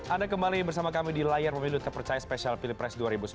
anda kembali bersama kami di layar pemilu terpercaya spesial pilpres dua ribu sembilan belas